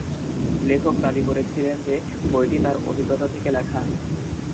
লেখক দাবি করেছিলেন যে বইটি তার অভিজ্ঞতা থেকে লেখা।